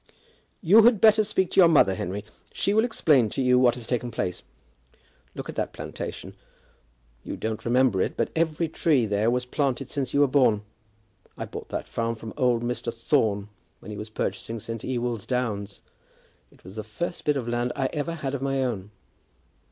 "You had better speak to your mother, Henry. She will explain to you what has taken place. Look at that plantation. You don't remember it, but every tree there was planted since you were born. I bought that farm from old Mr. Thorne, when he was purchasing St. Ewold's Downs, and it was the first bit of land I ever had of my own."